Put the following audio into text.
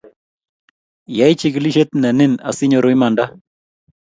yai chikilisiet nee nin asinyoru imanda